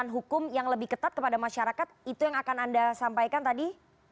penegakan hukum yang lebih ketat kepada masyarakat itu yang akan anda sampaikan tadi